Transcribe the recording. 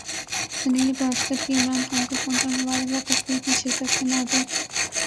سنیل گواسکر کی عمران خان کو فون پر مبارکبادتقریب میں شرکت سے معذرت